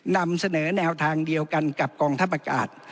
นำเสนอแนวทางเดียวกันกับกองทัพอากาศ